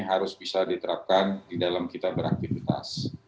harus bisa diterapkan di dalam kita beraktivitas